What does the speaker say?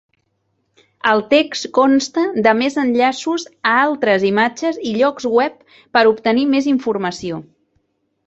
El text consta de més enllaços a altres imatges i llocs web per obtenir més informació.